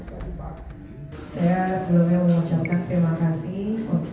saya sebelumnya mengucapkan terima kasih